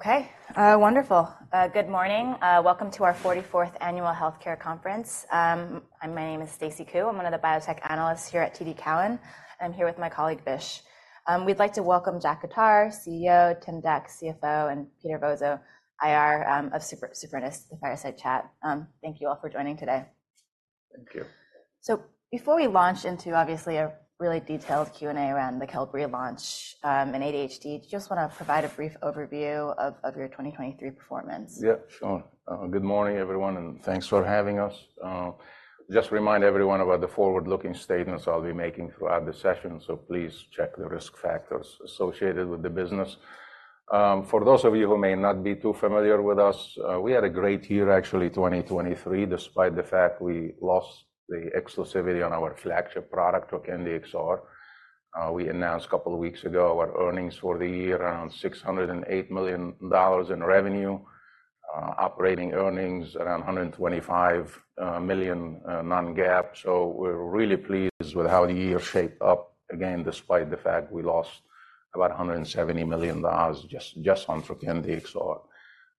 Okay, wonderful. Good morning, welcome to our 44th annual healthcare conference. I'm my name is Stacy Ku. I'm one of the biotech analysts here at TD Cowen, and I'm here with my colleague Bish. We'd like to welcome Jack Khattar, CEO, Tim Dec, CFO, and Peter Vozzo, IR, of Supernus Pharmaceuticals. Thank you all for joining today. Thank you. Before we launch into, obviously, a really detailed Q&A around the Qelbree launch, and ADHD, do you just want to provide a brief overview of your 2023 performance? Yeah, sure. Good morning, everyone, and thanks for having us. Just remind everyone about the forward-looking statements I'll be making throughout the session, so please check the risk factors associated with the business. For those of you who may not be too familiar with us, we had a great year, actually, 2023, despite the fact we lost the exclusivity on our flagship product, Trokendi XR. We announced a couple of weeks ago our earnings for the year, around $608 million in revenue, operating earnings around $125 million, non-GAAP. So we're really pleased with how the year shaped up, again, despite the fact we lost about $170 million just on Trokendi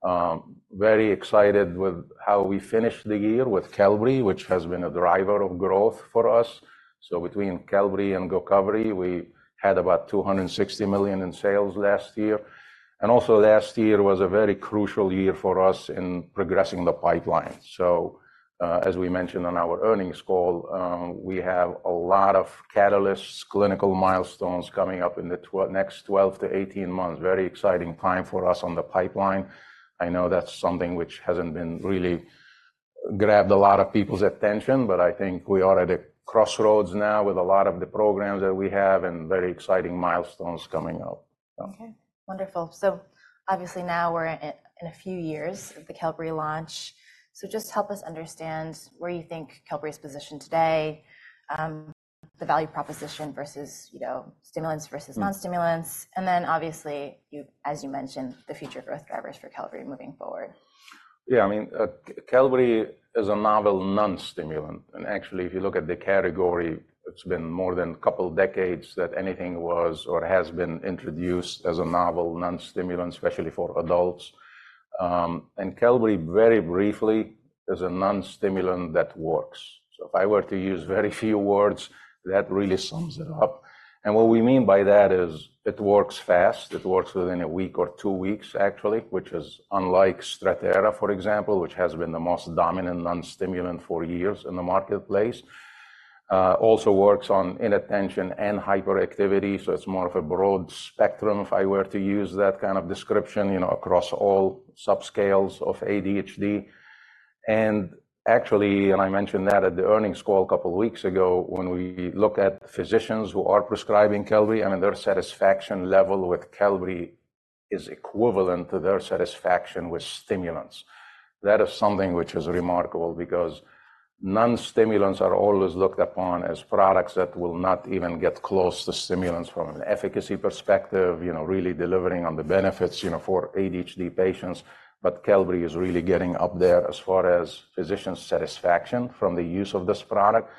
XR. Very excited with how we finished the year with Qelbree, which has been a driver of growth for us. So between Qelbree and Gocovri, we had about $260 million in sales last year. Also last year was a very crucial year for us in progressing the pipeline. So, as we mentioned on our earnings call, we have a lot of catalysts, clinical milestones coming up in the next 12-18 months. Very exciting time for us on the pipeline. I know that's something which hasn't been really grabbed a lot of people's attention, but I think we are at a crossroads now with a lot of the programs that we have and very exciting milestones coming up, so. Okay, wonderful. So obviously now we're in a few years of the Qelbree launch. So just help us understand where you think Qelbree's position today, the value proposition versus, you know, stimulants versus non-stimulants, and then obviously you've, as you mentioned, the future growth drivers for Qelbree moving forward. Yeah, I mean, Qelbree is a novel non-stimulant. And actually, if you look at the category, it's been more than a couple of decades that anything was or has been introduced as a novel non-stimulant, especially for adults. Qelbree, very briefly, is a non-stimulant that works. So if I were to use very few words, that really sums it up. And what we mean by that is it works fast. It works within a week or two weeks, actually, which is unlike Strattera, for example, which has been the most dominant non-stimulant for years in the marketplace. It also works on inattention and hyperactivity, so it's more of a broad spectrum, if I were to use that kind of description, you know, across all subscales of ADHD. And actually, and I mentioned that at the earnings call a couple of weeks ago, when we look at physicians who are prescribing Qelbree, I mean, their satisfaction level with Qelbree is equivalent to their satisfaction with stimulants. That is something which is remarkable because non-stimulants are always looked upon as products that will not even get close to stimulants from an efficacy perspective, you know, really delivering on the benefits, you know, for ADHD patients. But Qelbree is really getting up there as far as physician satisfaction from the use of this product.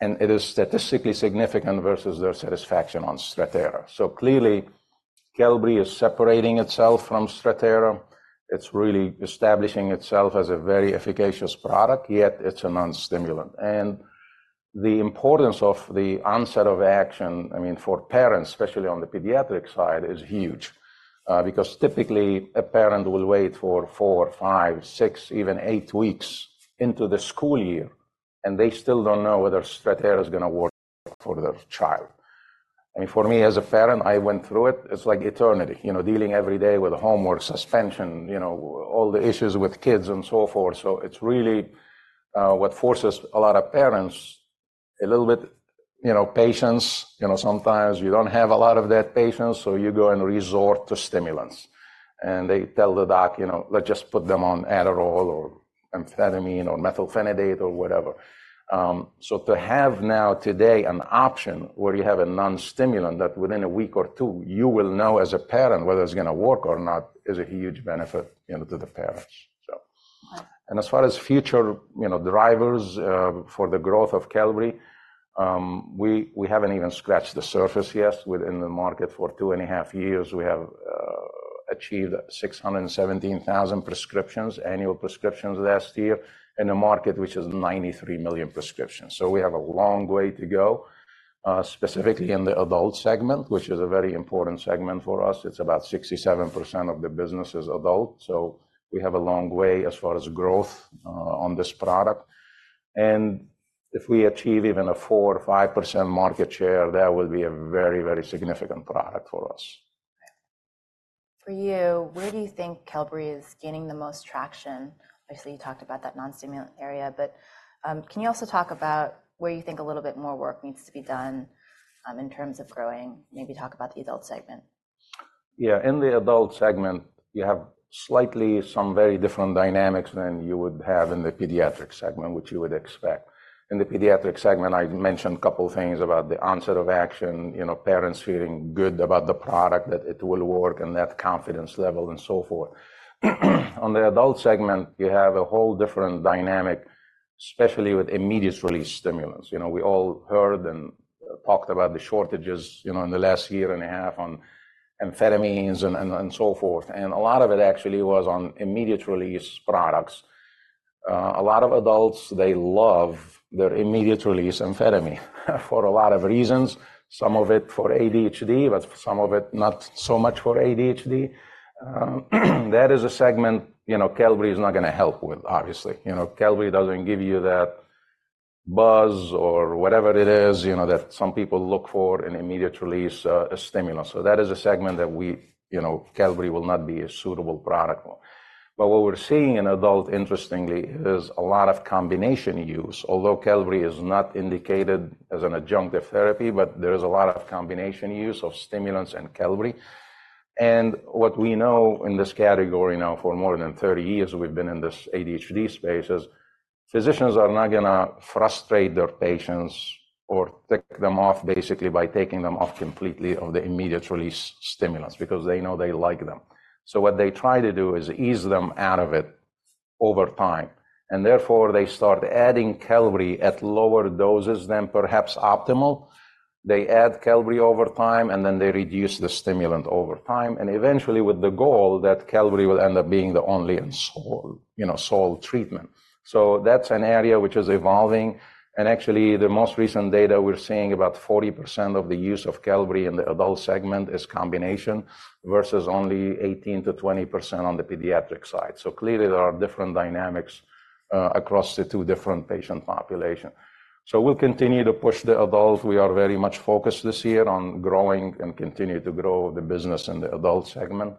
And it is statistically significant versus their satisfaction on Strattera. So clearly, Qelbree is separating itself from Strattera. It's really establishing itself as a very efficacious product, yet it's a non-stimulant. The importance of the onset of action, I mean, for parents, especially on the pediatric side, is huge, because typically a parent will wait for four, five, six, even eight weeks into the school year, and they still don't know whether Strattera's going to work for their child. I mean, for me as a parent, I went through it. It's like eternity, you know, dealing every day with homework suspension, you know, all the issues with kids and so forth. So it's really, what forces a lot of parents a little bit, you know, patience. You know, sometimes you don't have a lot of that patience, so you go and resort to stimulants. They tell the doc, you know, "Let's just put them on Adderall or amphetamine or methylphenidate or whatever." So to have now, today, an option where you have a non-stimulant that within a week or two you will know as a parent whether it's going to work or not is a huge benefit, you know, to the parents, so. Nice. As far as future, you know, drivers, for the growth of Qelbree, we haven't even scratched the surface yet within the market. For 2.5 years, we have achieved 617,000 prescriptions, annual prescriptions last year, in a market which is 93,000,000 prescriptions. So we have a long way to go, specifically in the adult segment, which is a very important segment for us. It's about 67% of the business is adult. So we have a long way as far as growth, on this product. And if we achieve even a 4%-5% market share, that will be a very, very significant product for us. For you, where do you think Qelbree is gaining the most traction? Obviously you talked about that non-stimulant area, but, can you also talk about where you think a little bit more work needs to be done, in terms of growing? Maybe talk about the adult segment. Yeah, in the adult segment, you have slightly some very different dynamics than you would have in the pediatric segment, which you would expect. In the pediatric segment, I mentioned a couple of things about the onset of action, you know, parents feeling good about the product, that it will work, and that confidence level, and so forth. On the adult segment, you have a whole different dynamic, especially with immediate-release stimulants. You know, we all heard and talked about the shortages, you know, in the last year and a half on amphetamines and so forth. And a lot of it actually was on immediate-release products. A lot of adults, they love their immediate-release amphetamine for a lot of reasons. Some of it for ADHD, but some of it not so much for ADHD. That is a segment, you know, Qelbree is not going to help with, obviously. You know, Qelbree doesn't give you that buzz or whatever it is, you know, that some people look for in immediate-release, a stimulant. So that is a segment that we, you know, Qelbree will not be a suitable product for. But what we're seeing in adult, interestingly, is a lot of combination use, although Qelbree is not indicated as an adjunctive therapy, but there is a lot of combination use of stimulants and Qelbree. And what we know in this category, now for more than 30 years we've been in this ADHD space, is physicians are not going to frustrate their patients or tick them off, basically, by taking them off completely of the immediate-release stimulants because they know they like them. So what they try to do is ease them out of it over time. And therefore they start adding Qelbree at lower doses than perhaps optimal. They add Qelbree over time, and then they reduce the stimulant over time, and eventually with the goal that Qelbree will end up being the only and sole, you know, sole treatment. So that's an area which is evolving. And actually the most recent data we're seeing about 40% of the use of Qelbree in the adult segment is combination versus only 18%-20% on the pediatric side. So clearly there are different dynamics across the two different patient populations. So we'll continue to push the adults. We are very much focused this year on growing and continue to grow the business in the adult segment.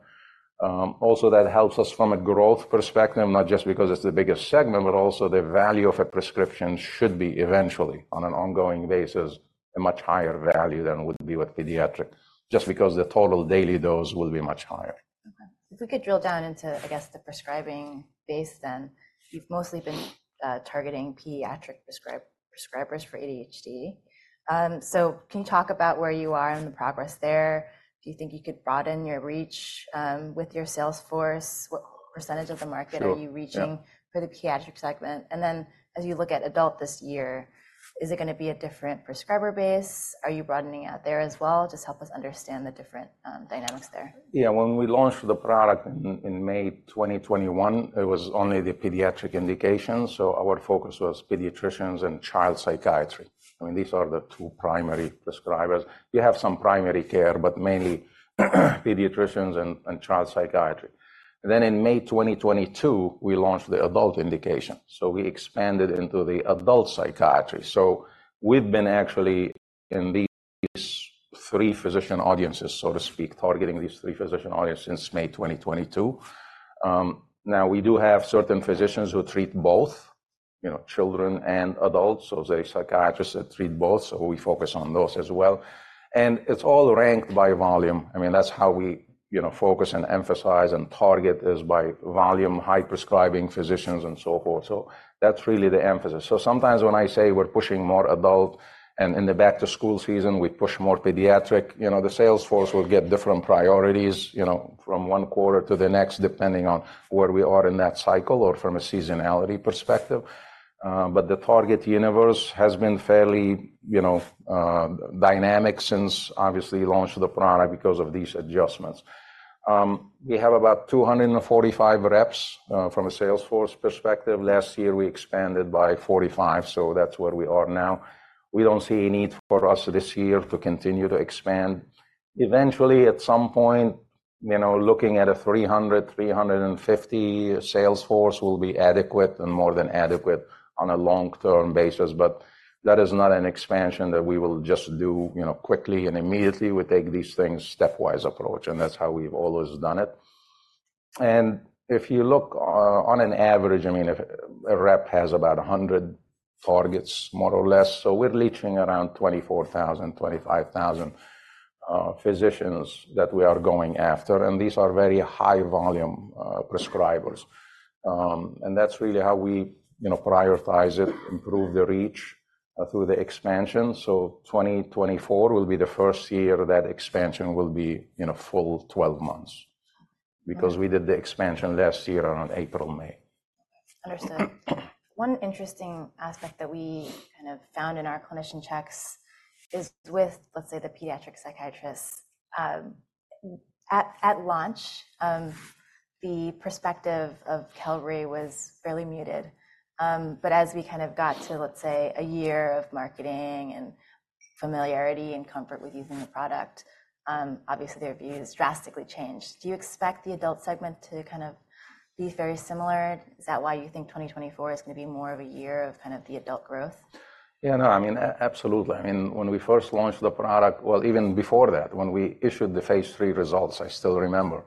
also that helps us from a growth perspective, not just because it's the biggest segment, but also the value of a prescription should be, eventually, on an ongoing basis, a much higher value than would be with pediatric, just because the total daily dose will be much higher. Okay. If we could drill down into, I guess, the prescribing base then, you've mostly been targeting pediatric prescribers for ADHD. So can you talk about where you are and the progress there? Do you think you could broaden your reach with your sales force? What percentage of the market are you reaching for the pediatric segment? And then as you look at adult this year, is it going to be a different prescriber base? Are you broadening out there as well? Just help us understand the different dynamics there. Yeah, when we launched the product in May 2021, it was only the pediatric indication. So our focus was pediatricians and child psychiatry. I mean, these are the two primary prescribers. You have some primary care, but mainly pediatricians and child psychiatry. Then in May 2022, we launched the adult indication. So we expanded into the adult psychiatry. So we've been actually in these three physician audiences, so to speak, targeting these three physician audiences since May 2022. Now we do have certain physicians who treat both, you know, children and adults. So there are psychiatrists that treat both, so we focus on those as well. And it's all ranked by volume. I mean, that's how we, you know, focus and emphasize and target is by volume, high prescribing physicians, and so forth. So that's really the emphasis. So sometimes when I say we're pushing more adult and in the back-to-school season, we push more pediatric, you know, the sales force will get different priorities, you know, from one quarter to the next depending on where we are in that cycle or from a seasonality perspective. But the target universe has been fairly, you know, dynamic since, obviously, launch of the product because of these adjustments. We have about 245 reps, from a sales force perspective. Last year we expanded by 45, so that's where we are now. We don't see a need for us this year to continue to expand. Eventually at some point, you know, looking at a 300, 350 sales force will be adequate and more than adequate on a long-term basis. But that is not an expansion that we will just do, you know, quickly and immediately. We take these things stepwise approach, and that's how we've always done it. And if you look, on an average, I mean, if a rep has about 100 targets, more or less, so we're reaching around 24,000-25,000 physicians that we are going after. And these are very high-volume prescribers, and that's really how we, you know, prioritize it, improve the reach, through the expansion. So 2024 will be the first year that expansion will be, you know, full 12 months because we did the expansion last year around April, May. Understood. One interesting aspect that we kind of found in our clinician checks is with, let's say, the pediatric psychiatrists. At launch, the perspective of Qelbree was fairly muted. But as we kind of got to, let's say, a year of marketing and familiarity and comfort with using the product, obviously their views drastically changed. Do you expect the adult segment to kind of be very similar? Is that why you think 2024 is going to be more of a year of kind of the adult growth? Yeah, no, I mean, absolutely. I mean, when we first launched the product, well, even before that, when we issued the phase III results, I still remember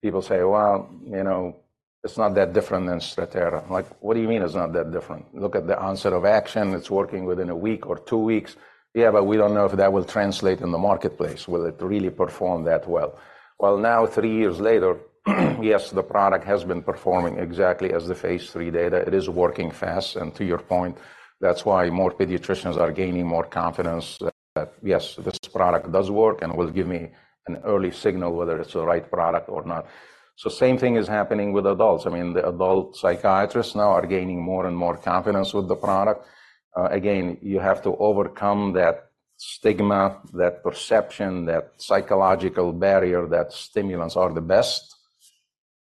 people saying, "Well, you know, it's not that different than Strattera." I'm like, "What do you mean it's not that different? Look at the onset of action. It's working within a week or two weeks." Yeah, but we don't know if that will translate in the marketplace. Will it really perform that well? Well, now three years later, yes, the product has been performing exactly as the phase III data. It is working fast. And to your point, that's why more pediatricians are gaining more confidence that, yes, this product does work and will give me an early signal whether it's the right product or not. So same thing is happening with adults. I mean, the adult psychiatrists now are gaining more and more confidence with the product. Again, you have to overcome that stigma, that perception, that psychological barrier that stimulants are the best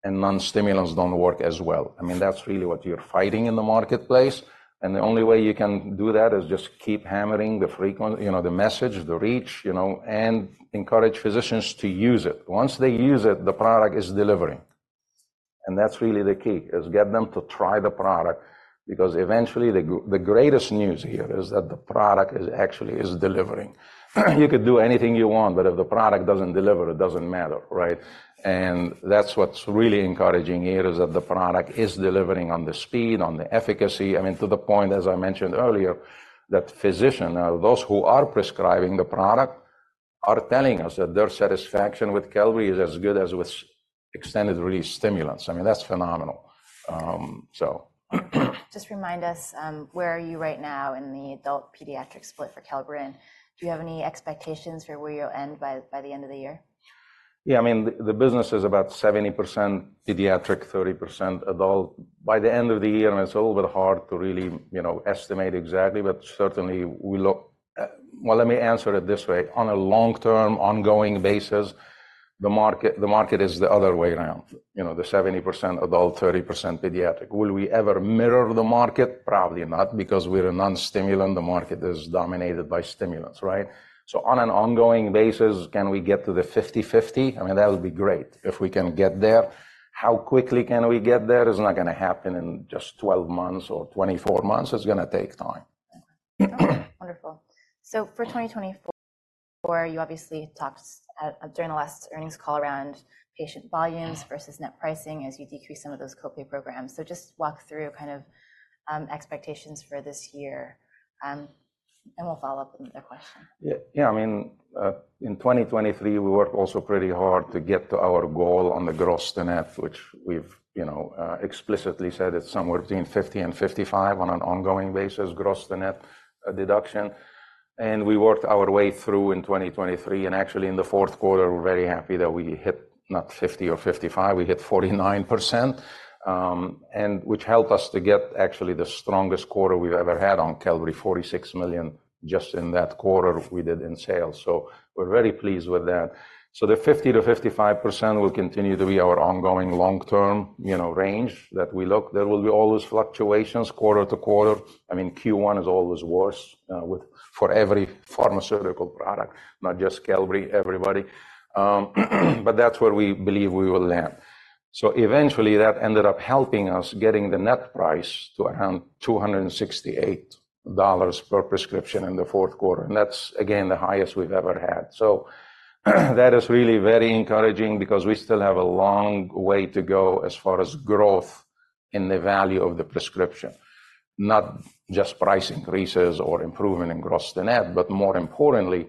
and non-stimulants don't work as well. I mean, that's really what you're fighting in the marketplace. And the only way you can do that is just keep hammering the frequency—you know, the message, the reach, you know—and encourage physicians to use it. Once they use it, the product is delivering. And that's really the key, is get them to try the product because eventually the greatest news here is that the product is actually delivering. You could do anything you want, but if the product doesn't deliver, it doesn't matter, right? And that's what's really encouraging here is that the product is delivering on the speed, on the efficacy. I mean, to the point, as I mentioned earlier, that physician, those who are prescribing the product, are telling us that their satisfaction with Qelbree is as good as with extended-release stimulants. I mean, that's phenomenal. Just remind us, where are you right now in the adult pediatric split for Qelbree? And do you have any expectations for where you'll end by the end of the year? Yeah, I mean, the business is about 70% pediatric, 30% adult. By the end of the year, I mean, it's a little bit hard to really, you know, estimate exactly, but certainly we look, well, let me answer it this way. On a long-term, ongoing basis, the market is the other way around, you know, the 70% adult, 30% pediatric. Will we ever mirror the market? Probably not because we're a non-stimulant. The market is dominated by stimulants, right? So on an ongoing basis, can we get to the 50/50? I mean, that would be great if we can get there. How quickly can we get there is not going to happen in just 12 months or 24 months. It's going to take time. Wonderful. So for 2024, you obviously talked about during the last earnings call around patient volumes versus net pricing as you decrease some of those copay programs. So just walk through kind of expectations for this year, and we'll follow up with another question? Yeah, yeah, I mean, in 2023 we worked also pretty hard to get to our goal on the gross to net, which we've, you know, explicitly said it's somewhere between 50%-55% on an ongoing basis, gross to net deduction. And we worked our way through in 2023. And actually in the fourth quarter we're very happy that we hit not 50% or 55%. We hit 49%, and which helped us to get actually the strongest quarter we've ever had on Qelbree, $46 million just in that quarter we did in sales. So we're very pleased with that. So the 50%-55% will continue to be our ongoing long-term, you know, range that we look. There will be always fluctuations quarter to quarter. I mean, Q1 is always worse, with, for every pharmaceutical product, not just Qelbree, everybody, but that's where we believe we will land. So eventually that ended up helping us getting the net price to around $268 per prescription in the fourth quarter. And that's, again, the highest we've ever had. So that is really very encouraging because we still have a long way to go as far as growth in the value of the prescription, not just price increases or improvement in gross to net, but more importantly,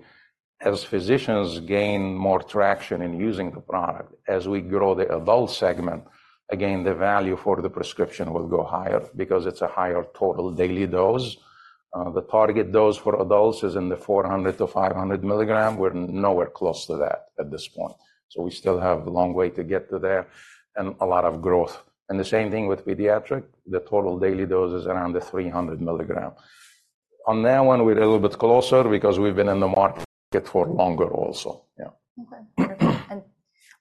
as physicians gain more traction in using the product, as we grow the adult segment, again, the value for the prescription will go higher because it's a higher total daily dose. The target dose for adults is in the 400-500 mg. We're nowhere close to that at this point. So we still have a long way to get to there and a lot of growth. And the same thing with pediatric. The total daily dose is around the 300 mg. On that one we're a little bit closer because we've been in the market for longer also. Yeah. Okay. And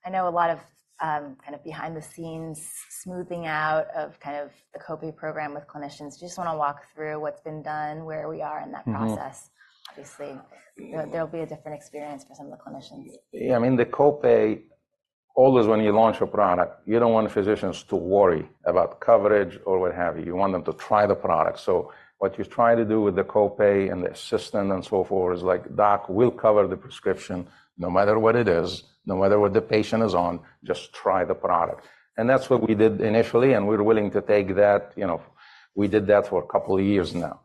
I know a lot of, kind of behind-the-scenes smoothing out of kind of the copay program with clinicians. Do you just want to walk through what's been done, where we are in that process? Obviously there'll be a different experience for some of the clinicians. Yeah, I mean, the copay always when you launch a product, you don't want physicians to worry about coverage or what have you. You want them to try the product. So what you try to do with the copay and the assistant and so forth is like, "Doc, we'll cover the prescription no matter what it is, no matter what the patient is on. Just try the product." And that's what we did initially. And we're willing to take that, you know we did that for a couple of years now.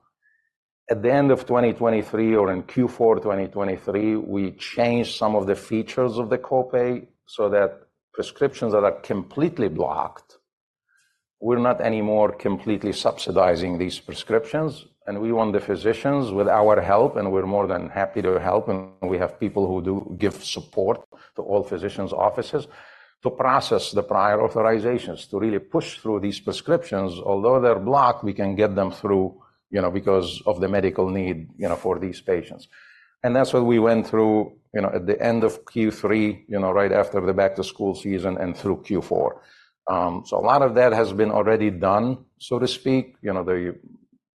At the end of 2023 or in Q4 2023, we changed some of the features of the copay so that prescriptions that are completely blocked, we're not anymore completely subsidizing these prescriptions. And we want the physicians with our help, and we're more than happy to help. We have people who do give support to all physicians' offices to process the prior authorizations to really push through these prescriptions. Although they're blocked, we can get them through, you know, because of the medical need, you know, for these patients. And that's what we went through, you know, at the end of Q3, you know, right after the back-to-school season and through Q4. So a lot of that has been already done, so to speak. You know, the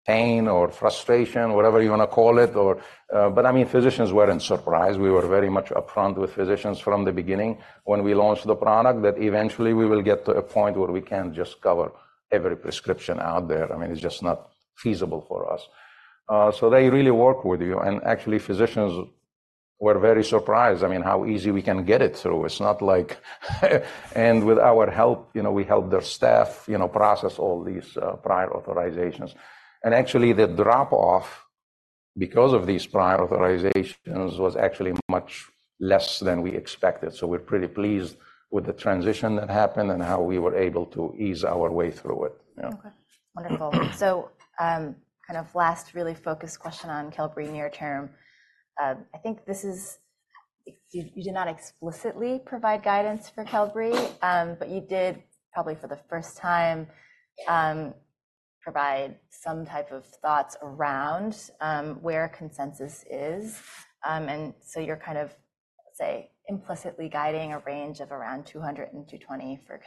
pain or frustration, whatever you want to call it or, but I mean, physicians weren't surprised. We were very much upfront with physicians from the beginning when we launched the product that eventually we will get to a point where we can't just cover every prescription out there. I mean, it's just not feasible for us. So they really work with you. Actually, physicians were very surprised. I mean, how easy we can get it through. It's not like, and with our help, you know, we helped our staff, you know, process all these prior authorizations. Actually, the drop-off because of these prior authorizations was actually much less than we expected. So we're pretty pleased with the transition that happened and how we were able to ease our way through it. Yeah. Okay. Wonderful. So, kind of last really focused question on Qelbree near term. I think this is you did not explicitly provide guidance for Qelbree, but you did probably for the first time, provide some type of thoughts around, where consensus is. And so you're kind of, let's say, implicitly guiding a range of around $200 million-$220 million for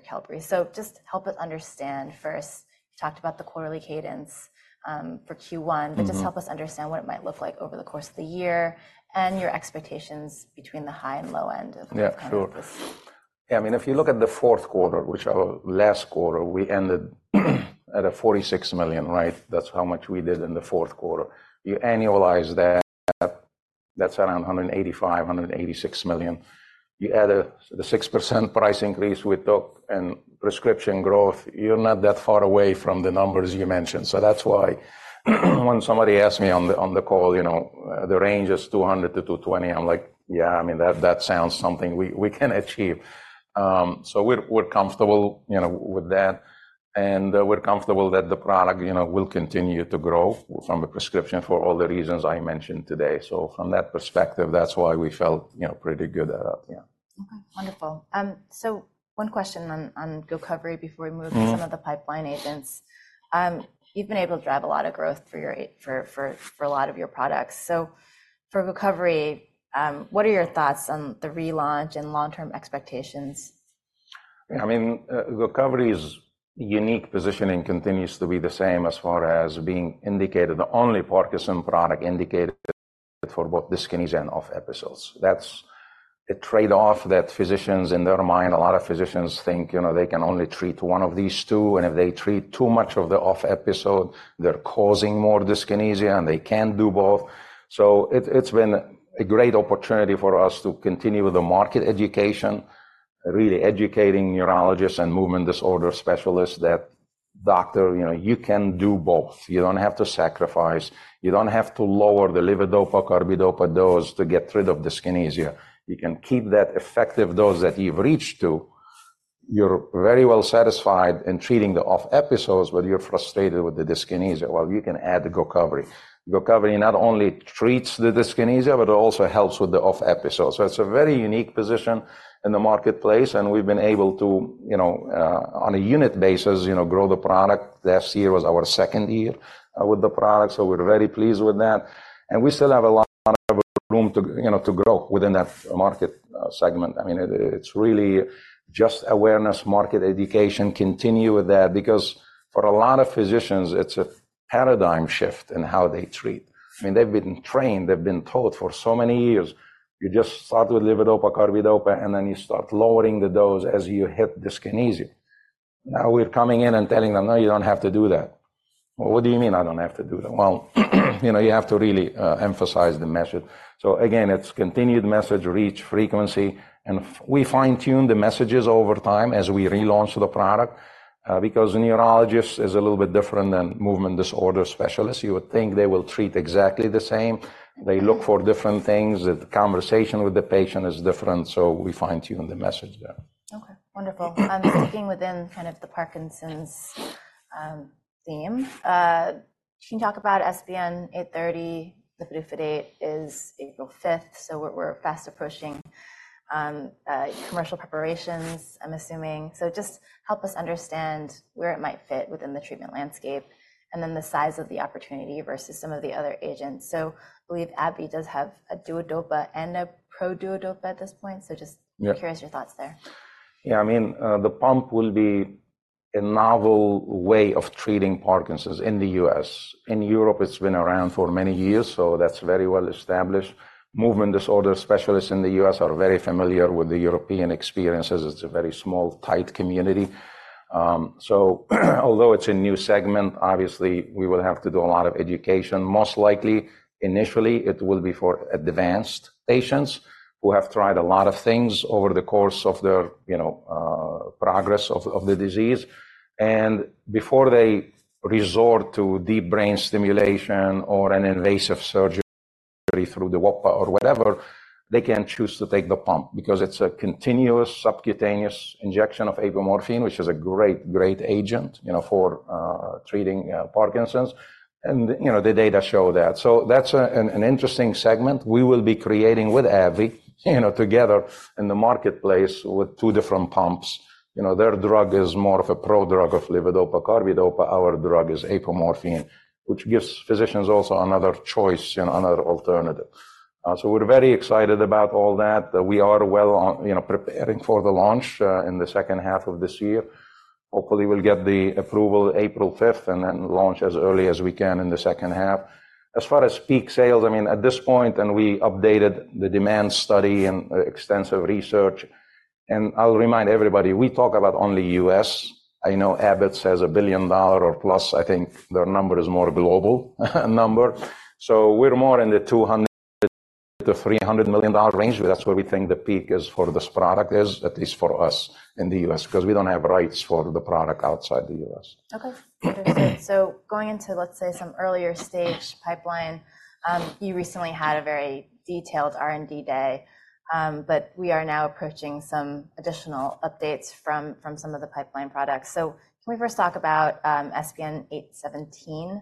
Qelbree. So just help us understand first. You talked about the quarterly cadence, for Q1, but just help us understand what it might look like over the course of the year and your expectations between the high and low end of kind of this. Yeah, true. Yeah, I mean, if you look at the fourth quarter, which our last quarter we ended at $46 million, right? That's how much we did in the fourth quarter. You annualize that. That's around $185-$186 million. You add and the 6% price increase we took and prescription growth, you're not that far away from the numbers you mentioned. So that's why when somebody asked me on the call, you know, the range is $200-$220 million, I'm like, "Yeah, I mean, that, that sounds something we, we can achieve." So we're, we're comfortable, you know, with that. And, we're comfortable that the product, you know, will continue to grow from a prescription for all the reasons I mentioned today. So from that perspective, that's why we felt, you know, pretty good at it. Yeah. Okay. Wonderful. So one question on Gocovri before we move to some of the pipeline agents. You've been able to drive a lot of growth for your ADHD for a lot of your products. So for Gocovri, what are your thoughts on the relaunch and long-term expectations? Yeah, I mean, Gocovri's unique positioning continues to be the same as far as being indicated the only Parkinson's product indicated for both dyskinesia and off episodes. That's a trade-off that physicians in their mind a lot of physicians think, you know, they can only treat one of these two. And if they treat too much of the off episode, they're causing more dyskinesia and they can't do both. So it, it's been a great opportunity for us to continue with the market education, really educating neurologists and movement disorder specialists that, "Doctor, you know, you can do both. You don't have to sacrifice. You don't have to lower the levodopa/carbidopa dose to get rid of dyskinesia. You can keep that effective dose that you've reached to. You're very well satisfied in treating the off episodes, but you're frustrated with the dyskinesia. Well, you can add Gocovri. Gocovri not only treats the dyskinesia, but it also helps with the off episodes. So it's a very unique position in the marketplace. And we've been able to, you know, on a unit basis, you know, grow the product. Last year was our second year with the product. So we're very pleased with that. And we still have a lot of room to, you know, to grow within that market segment. I mean, it, it's really just awareness, market education, continue with that because for a lot of physicians it's a paradigm shift in how they treat. I mean, they've been trained. They've been taught for so many years. You just start with levodopa/carbidopa and then you start lowering the dose as you hit dyskinesia. Now we're coming in and telling them, "No, you don't have to do that." "Well, what do you mean I don't have to do that?" Well, you know, you have to really emphasize the message. So again, it's continued message, reach, frequency. And we fine-tune the messages over time as we relaunch the product, because neurologists is a little bit different than movement disorder specialists. You would think they will treat exactly the same. They look for different things. The conversation with the patient is different. So we fine-tune the message there. Okay. Wonderful. Speaking within kind of the Parkinson's theme, can you talk about SPN-830? The brief date is April 5th. So we're fast approaching commercial preparations, I'm assuming. So just help us understand where it might fit within the treatment landscape and then the size of the opportunity versus some of the other agents. So I believe AbbVie does have a Duodopa and a Produodopa at this point. So just curious your thoughts there. Yeah, I mean, the pump will be a novel way of treating Parkinson's in the U.S. In Europe it's been around for many years, so that's very well established. Movement disorder specialists in the U.S. are very familiar with the European experiences. It's a very small, tight community. So although it's a new segment, obviously we will have to do a lot of education. Most likely initially it will be for advanced patients who have tried a lot of things over the course of their, you know, progress of the disease. And before they resort to deep brain stimulation or an invasive surgery through the Duopa or whatever, they can choose to take the pump because it's a continuous subcutaneous injection of apomorphine, which is a great, great agent, you know, for treating Parkinson's. And, you know, the data show that. So that's an interesting segment we will be creating with AbbVie, you know, together in the marketplace with two different pumps. You know, their drug is more of a prodrug of levodopa/carbidopa. Our drug is apomorphine, which gives physicians also another choice, you know, another alternative. So we're very excited about all that. We are well on, you know, preparing for the launch, in the second half of this year. Hopefully we'll get the approval April 5th and then launch as early as we can in the second half. As far as peak sales, I mean, at this point and we updated the demand study and extensive research. And I'll remind everybody, we talk about only U.S. I know Abbott says $1 billion or plus. I think their number is more global number. So we're more in the $200-$300 million range. That's where we think the peak is for this product is, at least for us in the U.S., because we don't have rights for the product outside the U.S. Okay. Understood. So going into, let's say, some earlier stage pipeline, you recently had a very detailed R&D day, but we are now approaching some additional updates from some of the pipeline products. So can we first talk about SPN-817?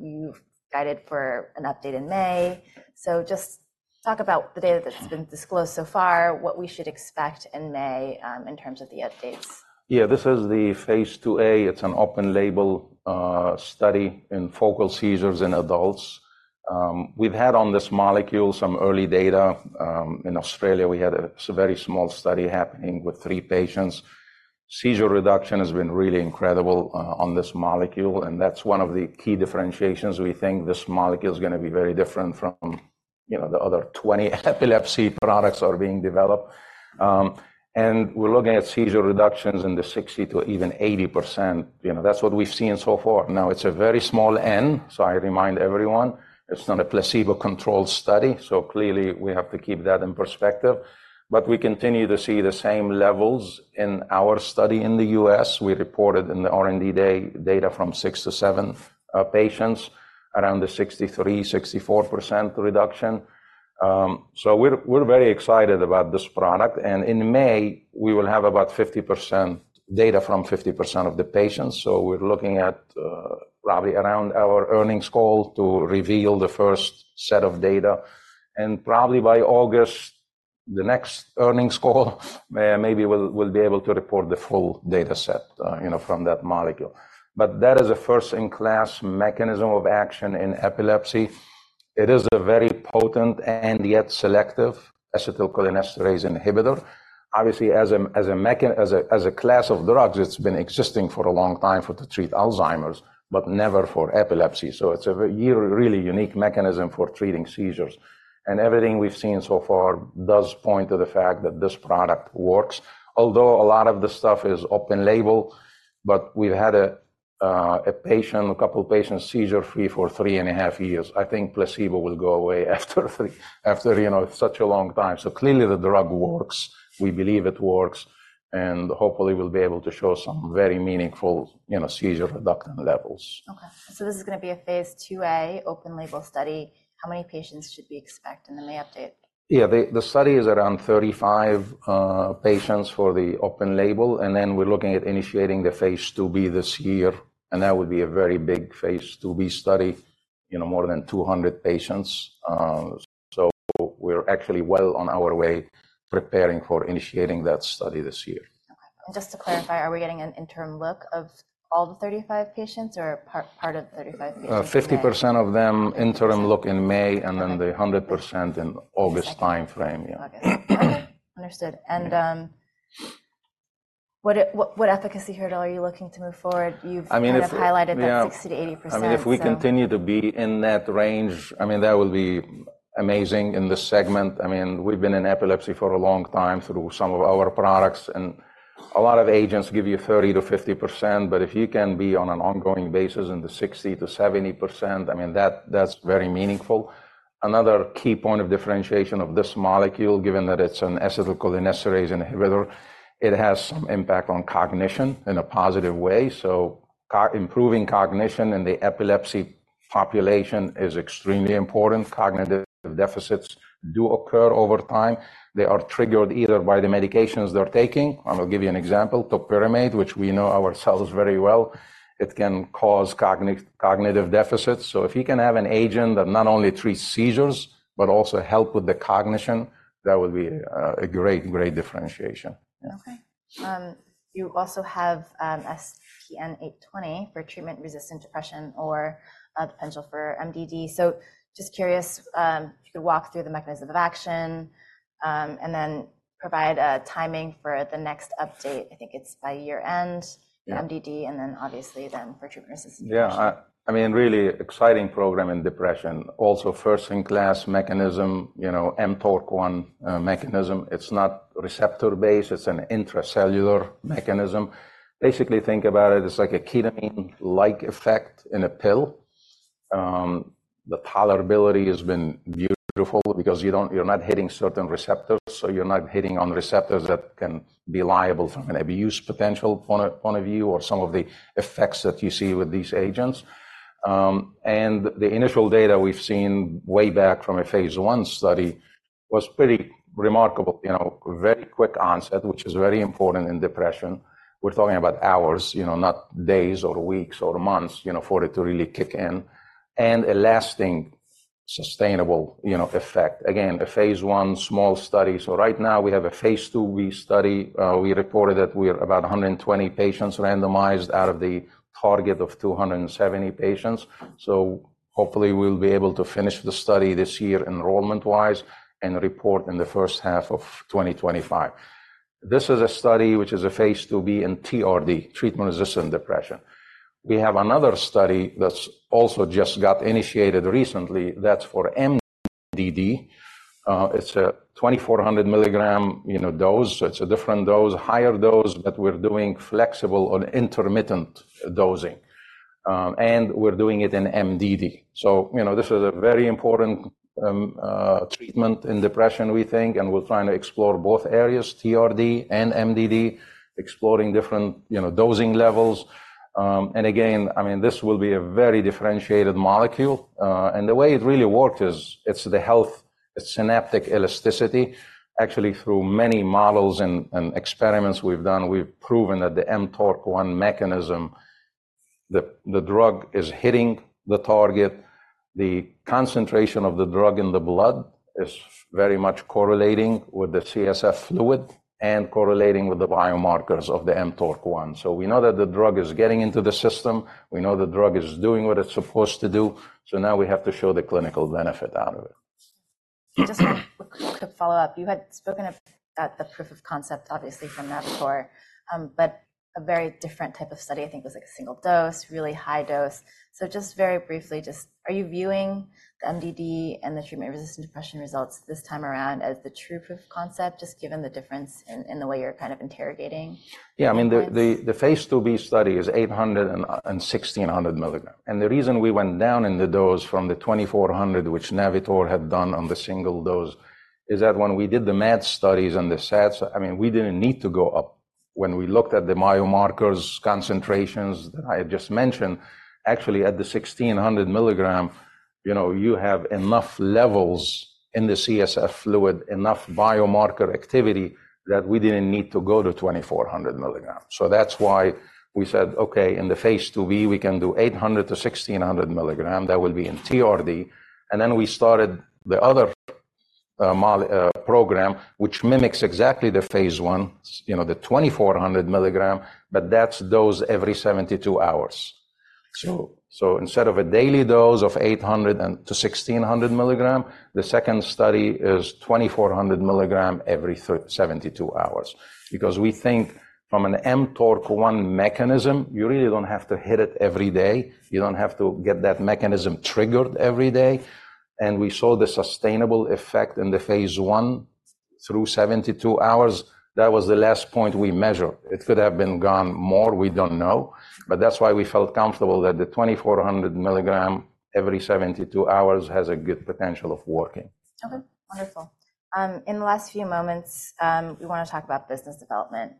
You guided for an update in May. So just talk about the data that's been disclosed so far, what we should expect in May, in terms of the updates. Yeah, this is the phase II-A. It's an open-label study in focal seizures in adults. We've had on this molecule some early data. In Australia we had a very small study happening with three patients. Seizure reduction has been really incredible on this molecule. And that's one of the key differentiations. We think this molecule is going to be very different from, you know, the other 20 epilepsy products that are being developed. And we're looking at seizure reductions in the 60%-80%. You know, that's what we've seen so far. Now it's a very small N. So I remind everyone, it's not a placebo-controlled study. So clearly we have to keep that in perspective. But we continue to see the same levels in our study in the U.S. We reported in the R&D day data from six to seven patients, around the 63%-64% reduction. We're very excited about this product. In May we will have about 50% data from 50% of the patients. We're looking at, probably around our earnings call to reveal the first set of data. Probably by August, the next earnings call, maybe we'll be able to report the full dataset, you know, from that molecule. But that is a first-in-class mechanism of action in epilepsy. It is a very potent and yet selective acetylcholinesterase inhibitor. Obviously, as a mechanism, as a class of drugs, it's been existing for a long time to treat Alzheimer's, but never for epilepsy. It's a really unique mechanism for treating seizures. Everything we've seen so far does point to the fact that this product works. Although a lot of the stuff is open-label, but we've had a patient, a couple of patients seizure-free for 3.5 years. I think placebo will go away after three, you know, such a long time. So clearly the drug works. We believe it works. And hopefully we'll be able to show some very meaningful, you know, seizure-reduction levels. Okay. This is going to be a phase II-A open-label study. How many patients should we expect in the May update? Yeah, the study is around 35 patients for the open label. And then we're looking at initiating the phase II-B this year. And that would be a very big phase II-B study, you know, more than 200 patients. So we're actually well on our way preparing for initiating that study this year. Okay. Just to clarify, are we getting an interim look at all the 35 patients or part, part of the 35 patients? 50% of them, interim look in May and then the 100% in August timeframe. Yeah. August. Understood. What efficacy hurdle are you looking to move forward? You've kind of highlighted that 60%-80%. I mean, if we continue to be in that range, I mean, that will be amazing in this segment. I mean, we've been in epilepsy for a long time through some of our products. And a lot of agents give you 30%-50%. But if you can be on an ongoing basis in the 60%-70%, I mean, that, that's very meaningful. Another key point of differentiation of this molecule, given that it's an acetylcholinesterase inhibitor, it has some impact on cognition in a positive way. So improving cognition in the epilepsy population is extremely important. Cognitive deficits do occur over time. They are triggered either by the medications they're taking. I will give you an example, topiramate, which we know ourselves very well. It can cause cognitive deficits. So if you can have an agent that not only treats seizures, but also help with the cognition, that would be a great, great differentiation. Yeah. Okay. You also have SPN-820 for treatment-resistant depression or a potential for MDD. So just curious, if you could walk through the mechanism of action, and then provide a timing for the next update. I think it's by year-end MDD and then obviously then for treatment-resistant depression. Yeah, I mean, really exciting program in depression. Also first-in-class mechanism, you know, mTORC1 mechanism. It's not receptor-based. It's an intracellular mechanism. Basically think about it as like a ketamine-like effect in a pill. The tolerability has been beautiful because you're not hitting certain receptors. So you're not hitting on receptors that can be liable from an abuse potential point of view or some of the effects that you see with these agents. And the initial data we've seen way back from a phase I study was pretty remarkable, you know, very quick onset, which is very important in depression. We're talking about hours, you know, not days or weeks or months, you know, for it to really kick in. And a lasting, sustainable, you know, effect. Again, a phase I small study. So right now we have a phase II-B study. We reported that we're about 120 patients randomized out of the target of 270 patients. So hopefully we'll be able to finish the study this year enrollment-wise and report in the first half of 2025. This is a study which is a phase II-B in TRD, treatment-resistant depression. We have another study that's also just got initiated recently. That's for MDD. It's a 2,400 mg, you know, dose. So it's a different dose, higher dose, but we're doing flexible or intermittent dosing. And we're doing it in MDD. So, you know, this is a very important, treatment in depression we think. And we'll try to explore both areas, TRD and MDD, exploring different, you know, dosing levels. And again, I mean, this will be a very differentiated molecule. And the way it really works is it's the health, it's synaptic elasticity. Actually through many models and experiments we've done, we've proven that the mTORC1 mechanism, the drug is hitting the target. The concentration of the drug in the blood is very much correlating with the CSF fluid and correlating with the biomarkers of the mTORC1. So we know that the drug is getting into the system. We know the drug is doing what it's supposed to do. So now we have to show the clinical benefit out of it. Just a quick follow-up. You had spoken about the proof of concept, obviously, from that before. But a very different type of study, I think, was like a single dose, really high dose. So just very briefly, just are you viewing the MDD and the treatment-resistant depression results this time around as the true proof of concept, just given the difference in the way you're kind of interrogating? Yeah, I mean, the phase II-B study is 800 and 1,600 mg. And the reason we went down in the dose from the 2,400, which Navitor had done on the single dose, is that when we did the MAD studies and the SADs, I mean, we didn't need to go up. When we looked at the biomarkers concentrations that I had just mentioned, actually at the 1,600 mg, you know, you have enough levels in the CSF fluid, enough biomarker activity that we didn't need to go to 2,400 mg. So that's why we said, "Okay, in the phase II-B we can do 800-1,600 mg. That will be in TRD." And then we started the other program, which mimics exactly the phase I, you know, the 2,400 mg, but that's dosed every 72 hours. So, instead of a daily dose of 800-1,600 mg, the second study is 2,400 mg every 72 hours. Because we think from an mTORC1 mechanism, you really don't have to hit it every day. You don't have to get that mechanism triggered every day. And we saw the sustainable effect in the phase I through 72 hours. That was the last point we measured. It could have been gone more. We don't know. But that's why we felt comfortable that the 2,400 mg every 72 hours has a good potential of working. Okay. Wonderful. In the last few moments, we want to talk about business development.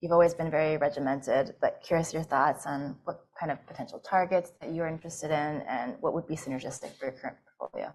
You've always been very regimented, but curious your thoughts on what kind of potential targets that you are interested in and what would be synergistic for your current portfolio.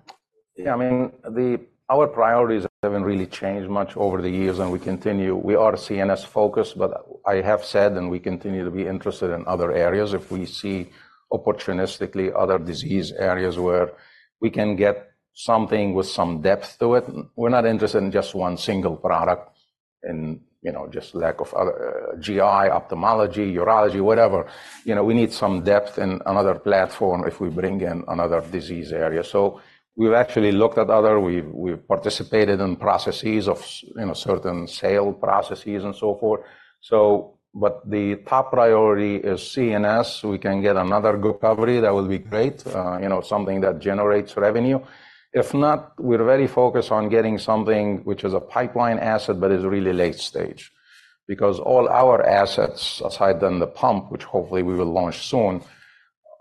Yeah, I mean, our priorities haven't really changed much over the years. We continue. We are CNS-focused, but I have said and we continue to be interested in other areas if we see opportunistically other disease areas where we can get something with some depth to it. We're not interested in just one single product in, you know, just like other GI, ophthalmology, urology, whatever. You know, we need some depth in another platform if we bring in another disease area. So we've actually looked at other. We've participated in processes of, you know, certain sale processes and so forth. But the top priority is CNS. We can get another good recovery. That will be great, you know, something that generates revenue. If not, we're very focused on getting something which is a pipeline asset, but is really late stage. Because all our assets, aside than the pump, which hopefully we will launch soon,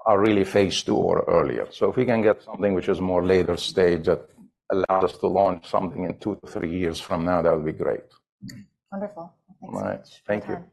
are really phase II or earlier. So if we can get something which is more later stage that allows us to launch something in two to three years from now, that would be great. Wonderful. Thanks. All right. Thank you.